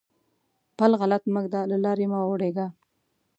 پل غلط مه ږده؛ له لارې مه اوړېږه.